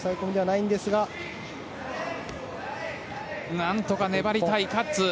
なんとか粘りたいカッツ。